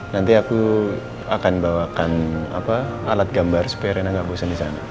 nanti aku akan bawakan alat gambar supaya rena gak bosen di sana